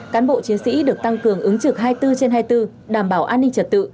cán bộ chiến sĩ được tăng cường ứng trực hai mươi bốn trên hai mươi bốn đảm bảo an ninh trật tự